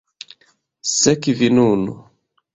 Sekvi nun!